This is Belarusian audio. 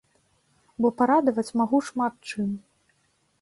Бо парадаваць магу шмат чым.